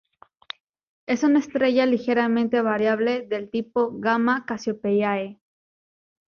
Es una estrella ligeramente variable del tipo Gamma Cassiopeiae.